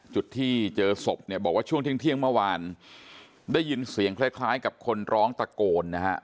จุดที่เจอศพเนี่ยบอกว่าช่วงเที่ยงเมื่อวานได้ยินเสียงคล้ายคล้ายกับคนร้องตะโกนนะฮะ